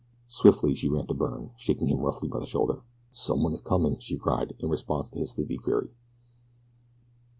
Swiftly she ran to Byrne, shaking him roughly by the shoulder. "Someone is coming," she cried, in response to his sleepy query.